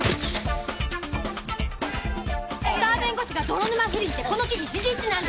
スター弁護士が泥沼不倫ってこの記事事実なんですか？